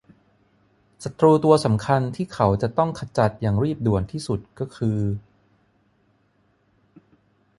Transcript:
ศัตรูตัวสำคัญที่เขาจะต้องขจัดอย่างรีบด่วนที่สุดก็คือ